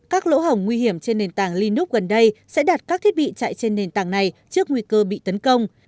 các lỗ hồng nguy hiểm trên nền tảng linov gần đây sẽ đặt các thiết bị chạy trên nền tảng này trước nguy cơ bị tấn công